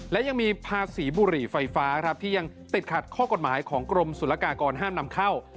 และยังมีภาษีบุรีไฟฟ้าที่ยังติดขัดข้อกลมสุรกากรห้ามนำเข้า